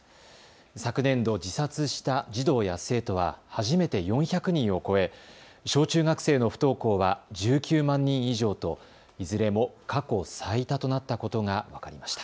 昨年度、自殺した児童や生徒は初めて４００人を超え小中学生の不登校は１９万人以上といずれも過去最多となったことが分かりました。